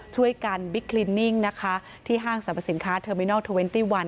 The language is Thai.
บิ๊กคลินนิ่งนะคะที่ห้างสรรพสินค้าเทอร์มินอลเทอร์เวนตี้วัน